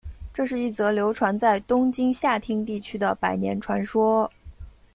这是一则流传在东京下町地区的百年传说。